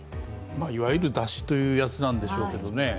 いわゆる、だしというやつなんでしょうけどね。